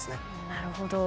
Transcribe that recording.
なるほど。